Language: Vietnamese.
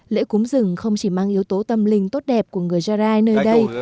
lễ cúng rừng không chỉ mang yếu tố tâm linh tốt đẹp của người karai nơi đây